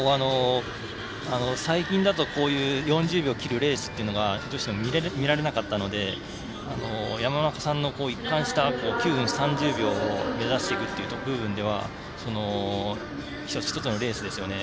最近だと、こういう４０秒切るレースっていうのが女子では見られなかったので山中さんの一貫した９分３０秒を目指していく部分では１つのレースですよね。